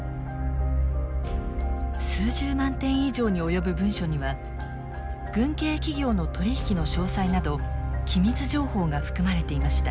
数十万点以上に及ぶ文書には軍系企業の取り引きの詳細など機密情報が含まれていました。